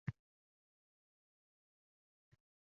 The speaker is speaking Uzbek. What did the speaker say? Tanaffusdan soʻng toʻxtagan joyingizdan davom ettiring